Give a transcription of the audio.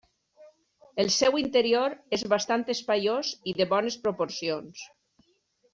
El seu interior és bastant espaiós i de bones proporcions.